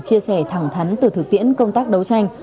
chia sẻ thẳng thắn từ thực tiễn công tác đấu tranh